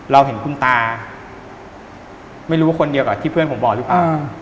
เราเห็นคุณตาไม่รู้ว่าคนเดียวกับที่เพื่อนผมบอกหรือเปล่า